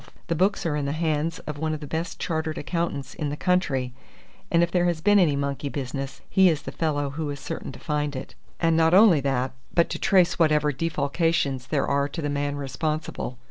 The books are in the hands of one of the best chartered accountants in the country, and if there has been any monkey business, he is the fellow who is certain to find it; and not only that, but to trace whatever defalcations there are to the man responsible.